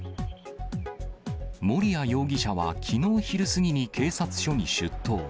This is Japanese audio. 森谷容疑者はきのう昼過ぎに警察署に出頭。